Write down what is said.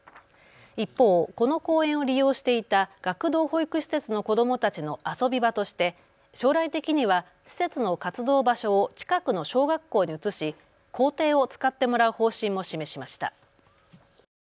一方、この公園を利用していた学童保育施設の子どもたちの遊び場として将来的には施設の活動場所を近くの小学校に移し校庭を使ってもらう方針も示しました。